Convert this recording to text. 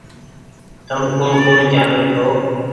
تم ڪوٚڻ ڪوٚڻ چآلو ڇو